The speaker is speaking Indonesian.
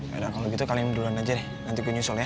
yaudah kalo gitu kalian duluan aja nih nanti gue nyusul ya